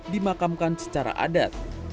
dimakamkan secara adat